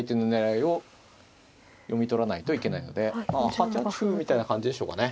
８八歩みたいな感じでしょうかね。